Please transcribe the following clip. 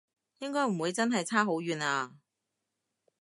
應該唔會真係差好遠啊？